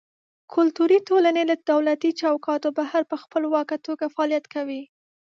کلتوري ټولنې له دولتي چوکاټه بهر په خپلواکه توګه فعالیت کوي.